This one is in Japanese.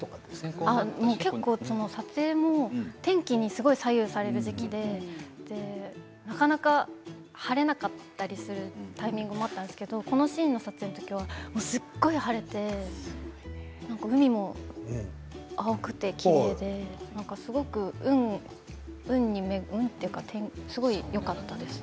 結構、撮影も天気に左右される時期でなかなか晴れなかったりするタイミングもあったんですけれどこのシーンの撮影の時はすごい晴れて海も青くて、きれいでなんか、すごく運に恵まれ天気がよかったです。